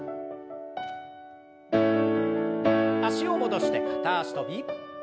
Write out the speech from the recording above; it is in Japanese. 脚を戻して片脚跳び。